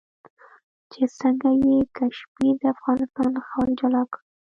چې څنګه یې کشمیر د افغانستان له خاورې جلا کړ.